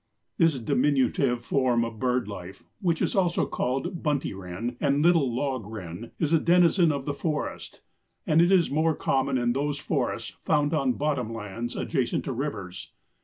This diminutive form of bird life, which is also called Bunty Wren and Little Log Wren, is a denizen of the forest, and it is more common in those forests found on bottom lands adjacent to rivers.